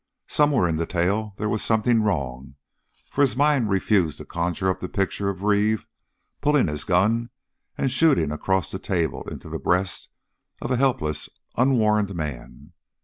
Somewhere in the tale there was something wrong, for his mind refused to conjure up the picture of Reeve pulling his gun and shooting across the table into the breast of a helpless, unwarned man.